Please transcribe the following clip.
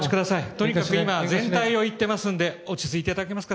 とにかく今、全体をいっていますので、落ち着いていただけますか。